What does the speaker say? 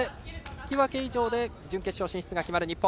引き分け以上で準決勝進出が決まる日本。